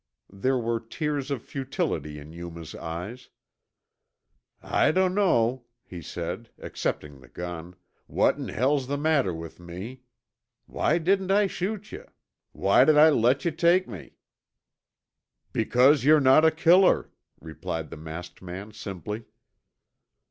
There were tears of futility in Yuma's eyes. "I dunno," he said, accepting the gun, "what in hell's the matter with me. Why didn't I shoot yuh? Why'd I let yuh take me?" "Because you're not a killer," replied the masked man simply.